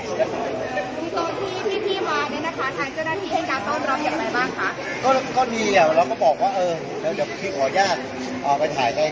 สวัสดีครับพี่เบนสวัสดีครับ